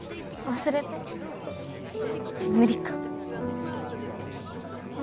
忘れて。って無理か。